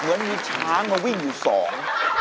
เหมือนมีช้างมาวิ่งอยู่สอง